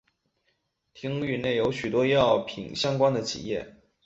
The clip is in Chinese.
町域内有许多药品相关的企业。